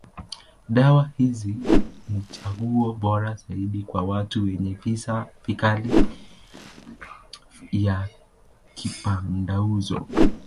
Dawa hizi ni chaguo bora zaidi kwa watu wenye visa vikali ya kipandauso.